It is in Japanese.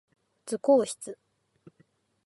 図工室